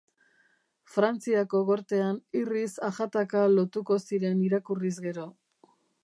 Frantziako gortean irriz ajataka lotuko ziren irakurriz gero.